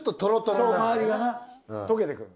そう周りが溶けてくる。